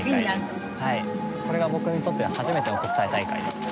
これが僕にとって初めての国際大会でした。